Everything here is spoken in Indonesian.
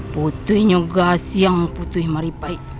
putihnya gak siang putih mari baik